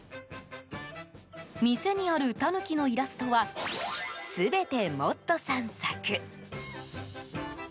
店にあるタヌキのイラストは全てモッドさん作。